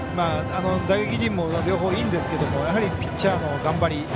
打撃陣も両方いいんですけどやはりピッチャーの頑張り。